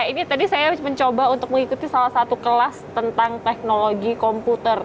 ini tadi saya mencoba untuk mengikuti salah satu kelas tentang teknologi komputer